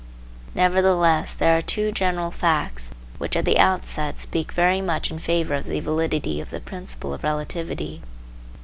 Nevertheless, there are two general facts which at the outset speak very much in favour of the validity of the principle of relativity.